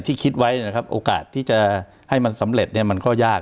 คิดไว้นะครับโอกาสที่จะให้มันสำเร็จเนี่ยมันก็ยาก